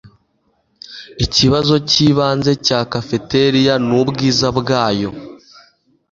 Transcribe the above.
Ikibazo cyibanze cya cafeteria nubwiza bwayo